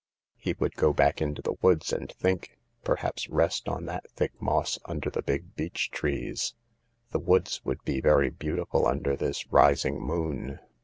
He would go back into the woods and think, perhaps rest on that thick moss under the big beech trees. The woods would be very beautiful under this rising moon.